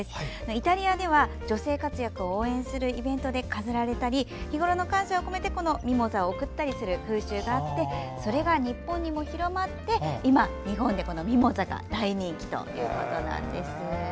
イタリアでは女性活躍を応援するイベントで飾られたり日ごろの感謝を込めてミモザを贈ったりする風習があってそれが日本にも広まって今、日本でミモザが大人気だということなんです。